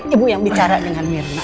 ibu yang bicara dengan mirna